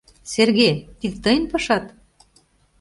Серге, тиде тыйын пашат?